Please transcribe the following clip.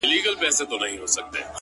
• اوس مي د زړه كورگى تياره غوندي دى ـ